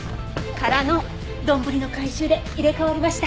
空のどんぶりの回収で入れ替わりました。